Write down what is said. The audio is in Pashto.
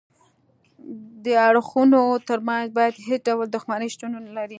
د اړخونو ترمنځ باید هیڅ ډول دښمني شتون ونلري